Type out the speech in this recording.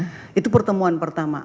oke itu pertemuan pertama